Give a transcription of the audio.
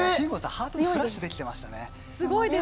ハートのフラッシュができていましたね。